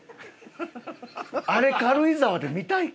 あれ軽井沢で見たいか？